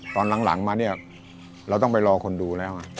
ตอนหลังมาเนี่ยเราต้องไปรอคนดูแล้วไง